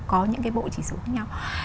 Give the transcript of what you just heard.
có những cái bộ chỉ số khác nhau